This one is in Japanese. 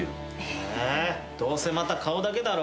えどうせまた顔だけだろ？